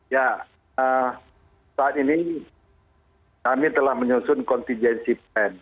ya saat ini kami telah menyusun kontingensi plan